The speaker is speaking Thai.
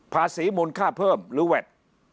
มูลค่าเพิ่มหรือแวด